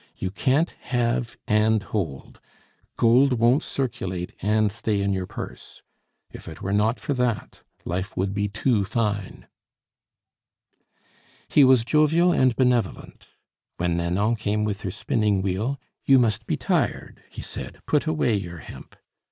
You can't have and hold. Gold won't circulate and stay in your purse. If it were not for that, life would be too fine." He was jovial and benevolent. When Nanon came with her spinning wheel, "You must be tired," he said; "put away your hemp."